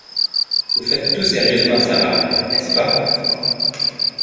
Vous faites tout sérieusement Sara, n’est-ce pas?